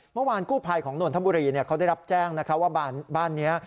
เมื่อวานกู้ภัยของนนทบุรีเขาได้รับแจ้งว่าบ้านนี้